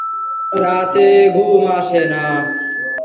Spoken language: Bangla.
কিন্তু তা করতে হলে এদের সমস্ত রহস্য ভেদ করতে হবে।